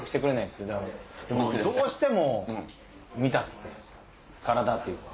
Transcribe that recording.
でもどうしても見たくて体というか。